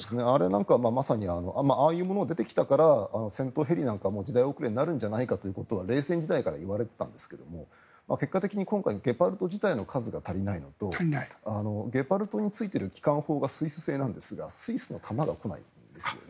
ああいうものが出てきたから戦闘ヘリなんかも時代遅れになるんじゃないかと冷戦時代から言われていたんですが結果的に今回ゲパルト自体の数が足りないのとゲパルトについている機関砲がスイス製なんですがスイスの弾が来ないんですよね。